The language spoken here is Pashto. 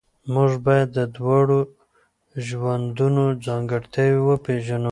موږ باید د دواړو ژوندونو ځانګړتیاوې وپېژنو.